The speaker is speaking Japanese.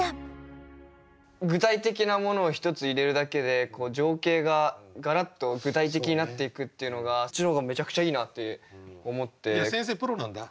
具体的なものを１つ入れるだけでこう情景がガラッと具体的になっていくっていうのがそっちの方がめちゃくちゃいいなって思って。